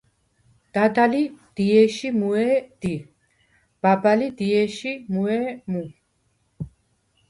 დადა ლი დიე̄შ ი მუუ̂ე̄ დი, ბაბა ლი დიე̄შ ი მუუ̂ე̄ მუ.